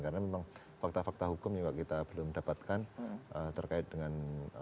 karena memang fakta fakta hukum yang kita belum dapatkan terkait dengan